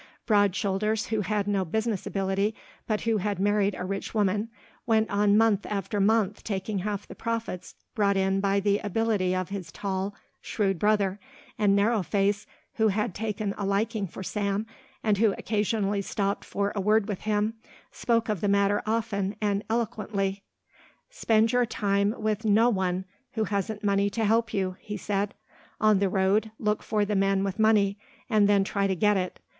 Broad Shoulders, who had no business ability but who had married a rich woman, went on month after month taking half the profits brought in by the ability of his tall, shrewd brother, and Narrow Face, who had taken a liking for Sam and who occasionally stopped for a word with him, spoke of the matter often and eloquently. "Spend your time with no one who hasn't money to help you," he said; "on the road look for the men with money and then try to get it.